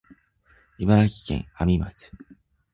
茨城県阿見町